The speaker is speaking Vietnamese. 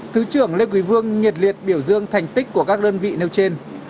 thứ trưởng lê quý vương nhiệt liệt biểu dương thành tích của các đơn vị nêu trên